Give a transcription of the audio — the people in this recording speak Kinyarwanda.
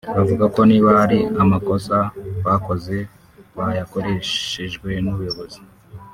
bavuga ko niba ari n’amakosa bakoze bayakoreshejwe n’ubuyobozi